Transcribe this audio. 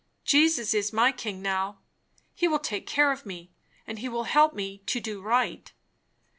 "Jesus is my King now! he will take care of me, and he will help me to do right."